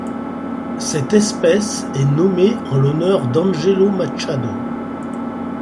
Cette espèce est nommée en l'honneur d'Angelo Machado.